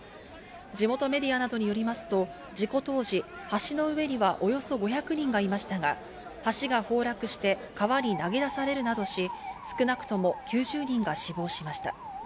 地元メディアなどによりますと、事故当時、橋の上にはおよそ５００人がいましたが、橋が崩落して川に投げ出されるなどし、少なくとも９０人が死亡しました。